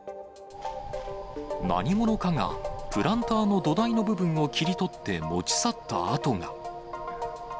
何者かがプランターの土台の部分を切り取って持ち去った跡が。